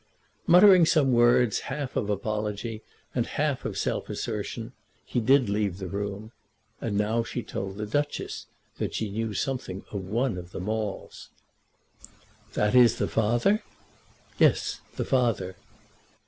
Muttering some words, half of apology and half of self assertion, he did leave the room; and now she told the Duchess that she knew something of one of the Maules. "That is, the father?" "Yes, the father."